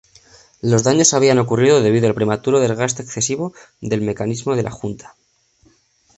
Los daños habían ocurrido debido al prematuro desgaste excesivo del mecanismo de la junta.